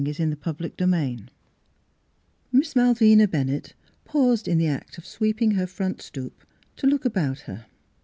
[ 81 ] VI Miss Malvina Bennett paused in the act of sweeping her front stoop to look about her.